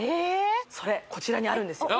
それこちらにあるんですよ